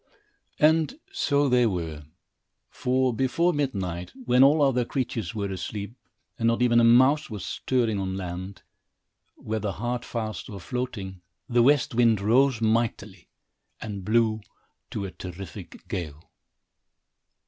And so they were; for, before midnight, when all other creatures were asleep, and not even a mouse was stirring on land, whether hard fast, or floating, the west wind rose mightily and blew to a terrific gale.